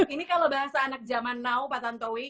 ini kalau bahasa anak zaman now pak tantowi